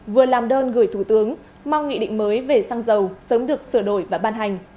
vừa làm đơn gửi thủ tướng mong nghị định mới về xăng dầu sớm được sửa đổi và ban hành